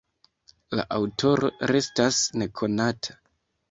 La aŭtoro restas nekonata.